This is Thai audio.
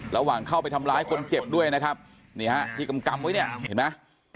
ระหว่างเข้าไปทำร้ายคนเจ็บด้วยนะครับนี่ฮะที่กำไว้เนี่ยเห็นไหม